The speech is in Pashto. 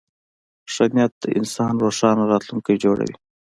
ښه نیت د انسان روښانه راتلونکی جوړوي.